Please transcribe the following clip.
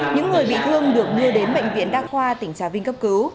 những người bị thương được đưa đến bệnh viện đa khoa tỉnh trà vinh cấp cứu